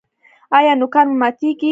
ایا نوکان مو ماتیږي؟